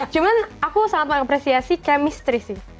cuman aku sangat mengapresiasi chemistry sih